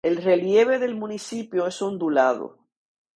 El relieve del municipio es ondulado.